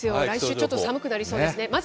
来週、ちょっと寒くなりそうですね。